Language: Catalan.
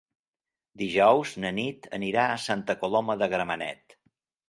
Dijous na Nit anirà a Santa Coloma de Gramenet.